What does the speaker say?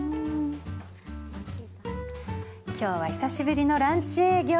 きょうは久しぶりのランチ営業。